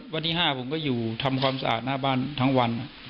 วันที่๕ผมก็อยู่ทำความสะอาดหน้าบ้านทั้งวัน